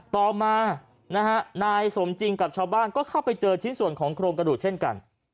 ต่อมานะฮะนายสมจริงกับชาวบ้านก็เข้าไปเจอชิ้นส่วนของโครงกระดูกเช่นกัน